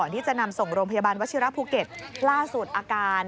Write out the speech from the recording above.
ที่จะนำส่งโรงพยาบาลวชิระภูเก็ตล่าสุดอาการ